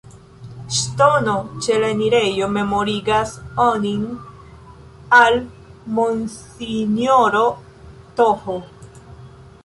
Ŝtono ĉe la enirejo memorigas onin al monsinjoro Th.